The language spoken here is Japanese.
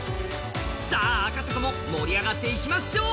さあ、赤坂も盛り上がっていきましょう。